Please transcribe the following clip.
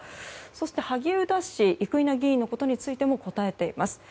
そして、萩生田氏生稲議員のことについても答えています。